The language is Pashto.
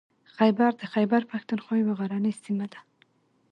خیبر د خیبر پښتونخوا یوه غرنۍ سیمه ده.